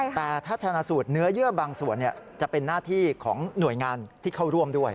แต่ถ้าชนะสูตรเนื้อเยื่อบางส่วนจะเป็นหน้าที่ของหน่วยงานที่เข้าร่วมด้วย